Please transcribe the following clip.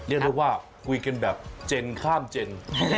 เรียกได้ว่าคุยกันแบบเจนข้ามเจน